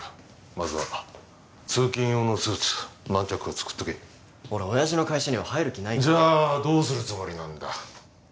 まずは通勤用のスーツ何着か作っとけ俺親父の会社には入る気ないからじゃあどうするつもりなんだ？